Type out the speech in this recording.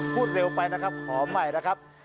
พูดเร็วไปนะครับขอใหม่นะครับ